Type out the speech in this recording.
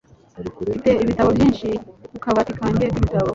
Mfite ibitabo byinshi ku kabati kanjye k'ibitabo.